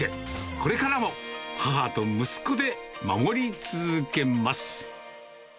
これからも母と息子で守り続けます。